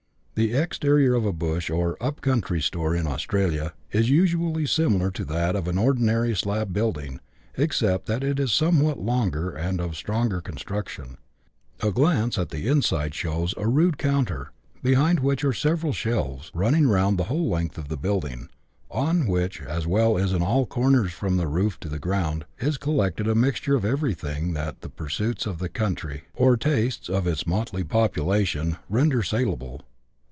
The exterior of a bush or " up country " store in Australia is usually similar to that of an ordinary slab building, except that it is somewhat longer, and of stronger construction. A glance at the inside shows a rude counter, behind which are several shelves, running round the whole length of the building, on which, as well as in all corners from the roof to the ground, is collected a mixture of everything that the pursuits of the coun try, or tastes of its motley population, render saleable.